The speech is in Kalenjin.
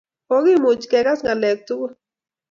Kokimuch kegas ng'alek tugul.